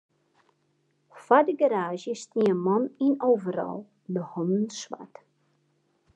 Foar in garaazje stie in man yn in overal, de hannen swart.